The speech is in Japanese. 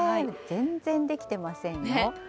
全然できてませんよ。